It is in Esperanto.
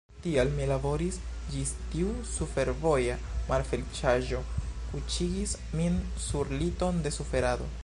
Tial mi laboris, ĝis tiu surfervoja malfeliĉaĵo kuŝigis min sur liton de suferado.